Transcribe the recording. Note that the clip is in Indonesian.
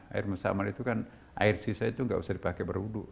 air musamar itu kan air sisa itu nggak usah dipakai berwuduk